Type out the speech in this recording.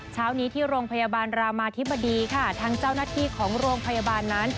เช้านี้ที่โรงพยาบาลรามาธิบดีค่ะทางเจ้าหน้าที่ของโรงพยาบาลนั้น